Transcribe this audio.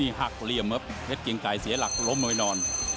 นี่หักเหลี่ยมครับเหล็ดเกงไก่เสียหลักล้มไว้นอน